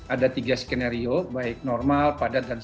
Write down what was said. ada tiga skenario baik normal padat dan